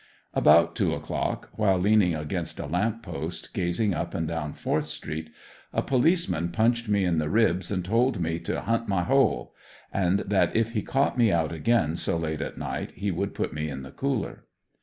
About two o'clock, while leaning against a lamppost gazing up and down Fourth street, a policeman punched me in the ribs and told me to "hunt my hole" and that if he caught me out again so late at night he would put me in the cooler.